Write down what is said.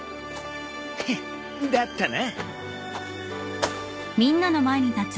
ヘッだったな。